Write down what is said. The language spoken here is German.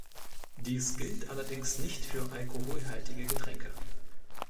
Dies gilt allerdings nicht für alkoholhaltige Getränke.